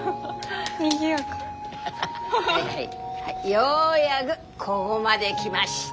ようやぐこごまで来ました。